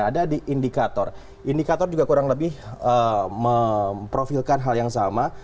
ada di indikator indikator juga kurang lebih memprofilkan hal yang sama